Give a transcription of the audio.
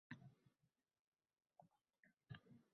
Afsonaoltiyildan so‘ng uyiga qaytdi